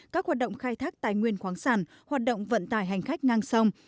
các hoạt động khai thác tài nguyên khoáng sản hoạt động vận tải hành khách ngang sông